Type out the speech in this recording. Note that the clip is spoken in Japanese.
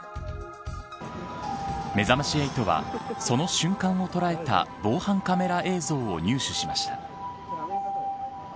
めざまし８はその瞬間を捉えた防犯カメラ映像を入手しました。